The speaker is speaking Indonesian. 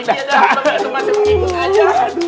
yaudah mas mas saya pergi aja